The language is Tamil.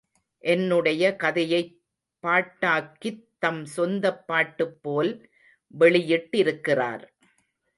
என்னுடைய கதையைப் பாட்டாக்கித் தம் சொந்தப் பாட்டுப் போல் வெளியிட்டிருக்கிறார்.